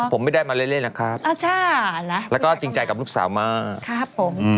ผมไม่ได้มาเล่นนะครับแล้วก็จริงใจกับลูกสาวมากครับผม